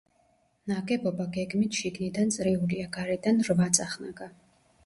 ნაგებობა გეგმით შიგნიდან წრიულია, გარედან რვაწახნაგა.